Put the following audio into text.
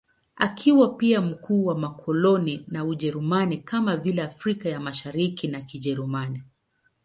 Akiwa pia mkuu wa makoloni ya Ujerumani, kama vile Afrika ya Mashariki ya Kijerumani.